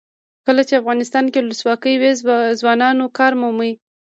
کله چې افغانستان کې ولسواکي وي ځوانان کار مومي.